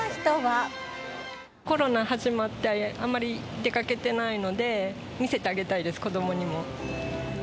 コロナ始まって、あまり出かけてないので、見せてあげたいです、子どもにも。